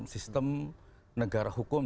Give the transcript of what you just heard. sistem negara hukum